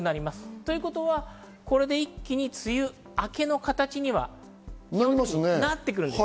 ということはこれで一気に梅雨明けの形にはなってくるんです。